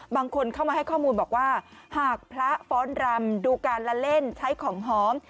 บางคนเข้ามาให้ข้อมูลบอกว่าหากพระฟ้อนรำดูการละเล่นใช้ของหอม